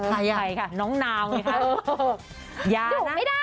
ใครอ่ะใครคะน้องนามไหมคะ